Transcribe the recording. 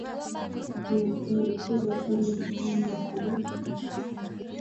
ni adhari kubwa sana na kama wakiweza